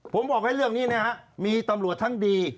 ผมบอกให้เรื่องนี้นะฮะมีตำรวจทั้งดี